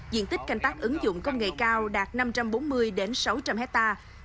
diện tích canh tác ứng dụng công nghệ cao đạt năm trăm bốn mươi sáu trăm linh hectare